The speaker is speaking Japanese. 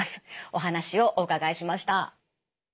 お話をお伺いしました。